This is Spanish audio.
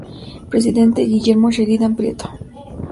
Presidente: Guillermo Sheridan Prieto